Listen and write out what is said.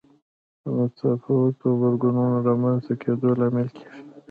د متفاوتو غبرګونونو د رامنځته کېدو لامل کېږي.